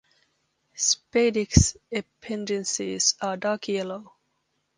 Spadix appendices are dark yellow.